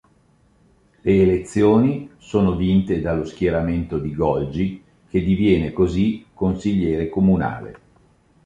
Le elezioni sono vinte dallo schieramento di Golgi, che diviene così consigliere comunale.